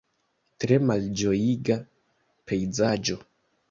Tre malĝojiga pejzaĝo.